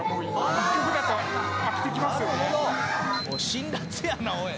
辛辣やなおい！